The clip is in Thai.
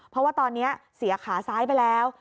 เพราะว่าตอนนี้เสียขาซ้ายไปแล้ว